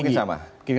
kira kira mungkin sama